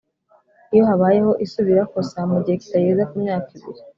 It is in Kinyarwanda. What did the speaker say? Iyo habayeho isubirakosa mu gihe kitageze ku myaka ibiri